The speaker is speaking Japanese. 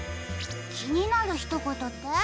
きになるひとことって？